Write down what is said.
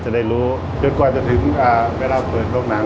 สวัสดีครับผมชื่อสามารถชานุบาลชื่อเล่นว่าขิงถ่ายหนังสุ่นแห่ง